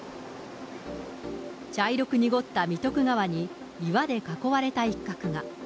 茶色く濁った三徳川に、岩で囲われた一角が。